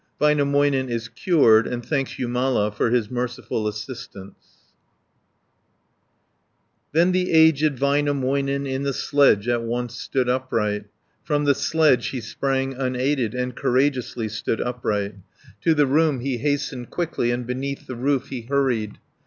Väinämöinen is cured, and thanks Jumala for his merciful assistance (417 586). Then the aged Väinämöinen In the sledge at once stood upright, From the sledge he sprang unaided, And courageously stood upright. To the room he hastened quickly, And beneath the roof he hurried.